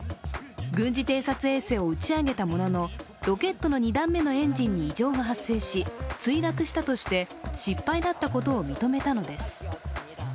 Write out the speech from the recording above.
軍事偵察衛星を打ち上げたもののロケットの２段目のエンジンに異常が発生し墜落したとして失敗だったことを認めたのです。